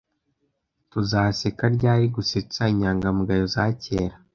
tuzaseka ryari gusetsa inyangamugayo za kera